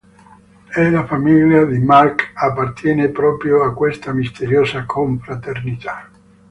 E la famiglia di Mark appartiene proprio a questa misteriosa confraternita.